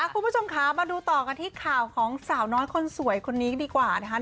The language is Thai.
คุณผู้ชมคะมาดูต่อกันที่ข่าวของสาวน้อยคนสวยคนนี้ดีกว่านะคะ